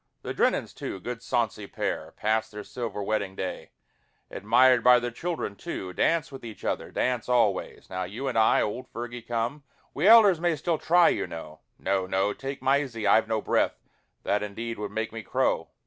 The Drennens too, good sonsy pair, Passed their silver wedding day, 139 END OF HARDEST. Admired by their own children too, Dance with each other, dance alway. Now you and I, old Fergie, come, We elders may still try, you know, No, no ! take Mysie, I've no breath, That indeed would make me crow